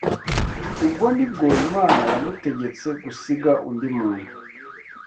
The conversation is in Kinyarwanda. Ubwo ni bwo Imana yamutegetse gusiga undi muntu